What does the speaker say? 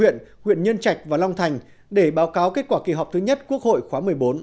huyện nhân trạch và long thành để báo cáo kết quả kỳ họp thứ nhất quốc hội khóa một mươi bốn